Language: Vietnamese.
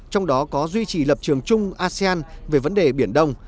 trong đó có duy trì lập trường chung asean về vấn đề biển đông